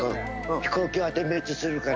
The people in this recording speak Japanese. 飛行機は点滅するから。